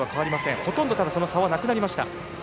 ほとんど差はなくなりました。